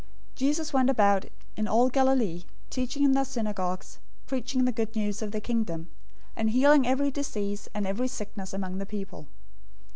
004:023 Jesus went about in all Galilee, teaching in their synagogues, preaching the Good News of the Kingdom, and healing every disease and every sickness among the people.